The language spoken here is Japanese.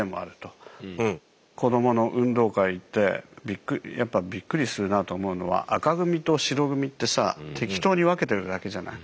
子どもの運動会行ってやっぱびっくりするなと思うのは赤組と白組ってさ適当に分けてるだけじゃない。